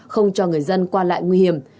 không cho người dân qua lại nguy hiểm